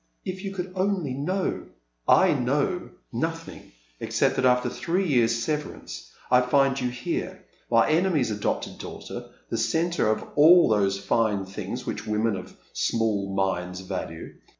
If you could only know "" I know nothing except that after three years' severance I find you here, my enemy's adopted daughter, the centre of all those fine things which women of small minds 'value.